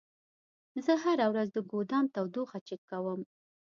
زه هره ورځ د ګودام تودوخه چک کوم.